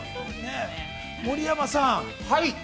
盛山さん。